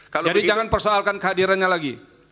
jadi jangan persoalkan kehadirannya lagi